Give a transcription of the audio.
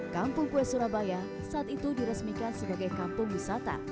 kampung kue surabaya saat itu diresmikan sebagai kampung wisata